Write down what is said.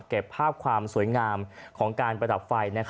เก็บภาพความสวยงามของการประดับไฟ